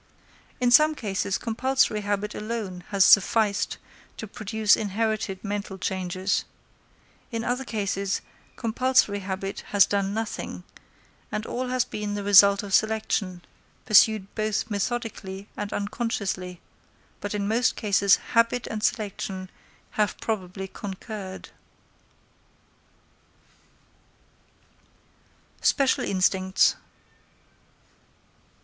In some cases compulsory habit alone has sufficed to produce inherited mental changes; in other cases compulsory habit has done nothing, and all has been the result of selection, pursued both methodically and unconsciously; but in most cases habit and selection have probably concurred. _Special Instincts.